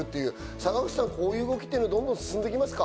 坂口さん、こういう動き進んできますか？